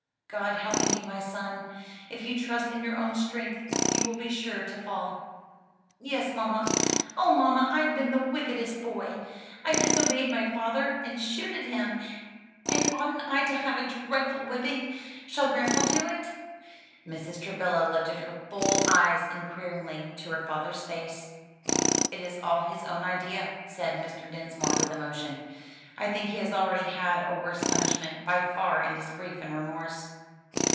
"God helping you, my son; if you trust in your own strength you will be sure to fall." "Yes mamma; oh, mamma, I've been the wickedest boy! I disobeyed my father and shooted him; and oughtn't I to have a dreadful whipping? Shall grandpa do it?" Mrs. Travilla lifted her full eyes inquiringly to her father's face. "It is all his own idea," said Mr. Dinsmore with emotion, "I think he has already had a worse punishment by far in his grief and remorse."